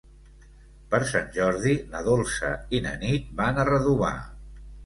Per Sant Jordi na Dolça i na Nit van a Redovà.